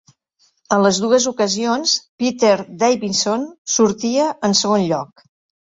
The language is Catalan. En les dues ocasions, Peter Davison sortia en segon lloc.